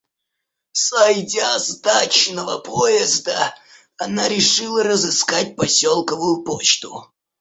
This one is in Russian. Сойдя с дачного поезда, она решила разыскать поселковую почту.